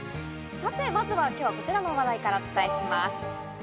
さて、まずは今日はこちらの話題からお伝えします。